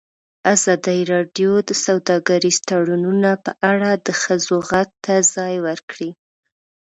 ازادي راډیو د سوداګریز تړونونه په اړه د ښځو غږ ته ځای ورکړی.